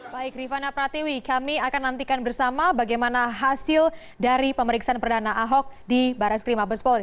baik rifana pratwi kami akan nantikan bersama bagaimana hasil dari pemeriksaan perdana ahok di barat skrim abang spolri